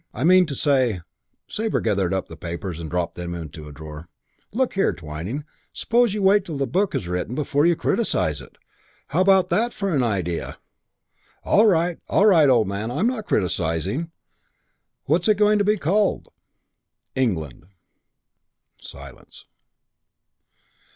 I mean to say " Sabre gathered up the papers and dropped them into a drawer. "Look here, Twyning, suppose you wait till the book's written before you criticise it. How about that for an idea?" "All right, all right, old man. I'm not criticising. What's it going to be called?" "England." Silence.